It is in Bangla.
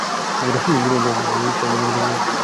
দিনের পর দিন ট্রেজারি বন্ডের কোনো লেনদেনেই হচ্ছে না।